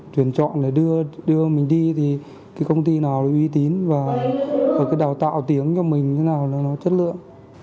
chuyển chọn là đưa mình đi thì cái công ty nào là uy tín và cái đào tạo tiếng cho mình thế nào là nó chất lượng